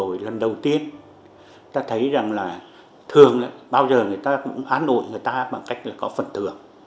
rồi lần đầu tiên ta thấy rằng là thường bao giờ người ta cũng án ủi người ta bằng cách là có phần thưởng